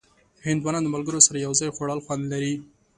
هندوانه د ملګرو سره یو ځای خوړل خوند لري.